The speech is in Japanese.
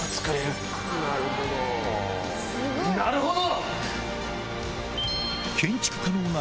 なるほど！